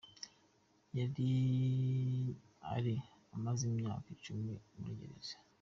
Yari ari amaze imyaka icumi muri gereza.